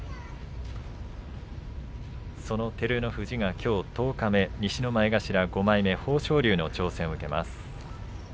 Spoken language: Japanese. その照ノ富士が、きょう十日目、西の前頭５枚目豊昇龍の挑戦を受けます。